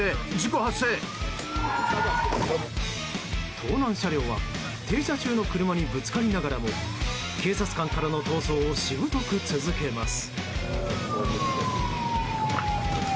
盗難車両は停車中の車にぶつかりながらも警察官からの逃走をしぶとく続けます。